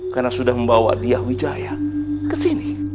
karena sudah membawa diyahwijaya ke sini